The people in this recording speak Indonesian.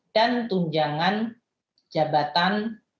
dan tunjangan jabatan